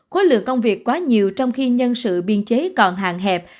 khối lượng công việc quá nhiều trong khi nhân sự biên chế còn hàng hẹp